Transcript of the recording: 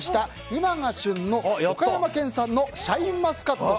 今が旬の岡山県産のシャインマスカット。